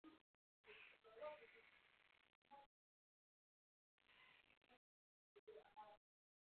په افغانستان کې خاوره د خلکو د ژوند کیفیت تاثیر کوي.